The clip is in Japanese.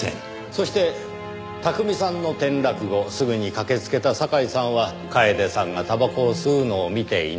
そして巧さんの転落後すぐに駆けつけた堺さんは楓さんがたばこを吸うのを見ていない。